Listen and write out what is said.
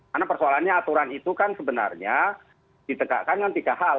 karena persoalannya aturan itu kan sebenarnya ditegakkan dengan tiga hal